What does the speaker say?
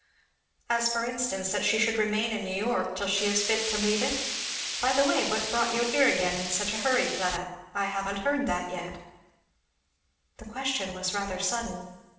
"As for instance, that she should remain in New York till she is fit to leave it? By the way, what brought you here again in such a hurry, Fleda? I haven't heard that yet." The question was rather sudden.